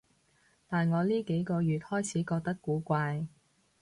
但我呢幾個月開始覺得古怪